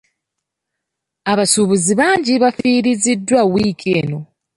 Abasuubuzi bangi bafiiriziddwa wiiki eno.